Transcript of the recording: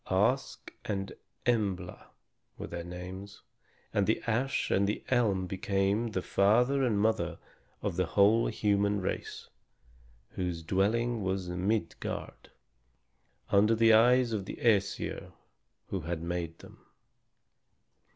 Ask and Embla were their names, and the ash and the elm became the father and mother of the whole human race whose dwelling was Midgard, under the eyes of the Æsir who had made them.